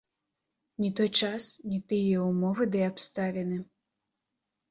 Не той час, не тыя ўмовы ды абставіны.